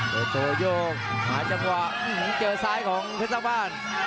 โดยโตโยงหาจำกว่าเจอซ้ายของเพชรสักบ้าน